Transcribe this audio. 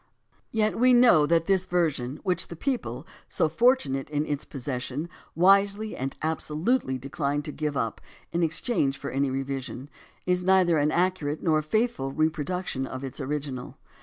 Yet we know that this version, which the people, so fortunate in its possession, wisely and absolutely decline to give up in exchange for any revision, is neither an accurate nor a faithful repro duction of its original.